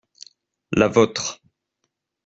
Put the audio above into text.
La vôtre.